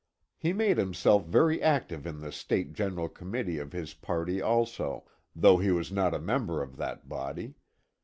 He made himself very active in the State General Committee of his party also, though he was not a member of that body.